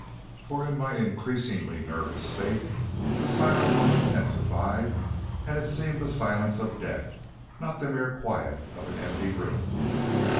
For, in my increasingly nervous state, the silence was intensified and it seemed the silence of death, not the mere quiet of an empty room.